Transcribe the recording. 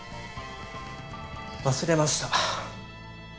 忘れました。